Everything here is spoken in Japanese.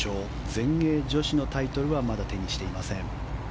全英女子のタイトルはまだ手にしていません。